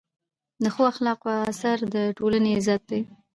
د ښو اخلاقو اثر د ټولنې عزت دی.